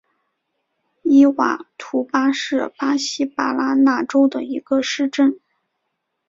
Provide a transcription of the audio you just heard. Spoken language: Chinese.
伊瓦图巴是巴西巴拉那州的一个市镇。